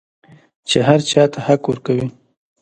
چې هر چا ته حق ورکوي.